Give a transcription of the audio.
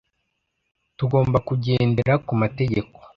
Tugomba kugendera ku mategeko.